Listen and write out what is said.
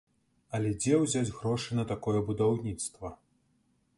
Але дзе ўзяць грошы на такое будаўніцтва?